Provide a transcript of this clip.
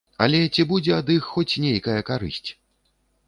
Але ці будзе ад іх хоць нейкая карысць?